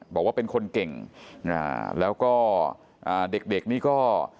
บอกว่าเป็นคนเก่งแล้วก็เด็กนี่ก็